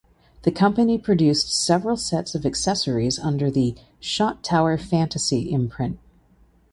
The company produced several sets of accessories under the "Shot Tower Fantasy" imprint.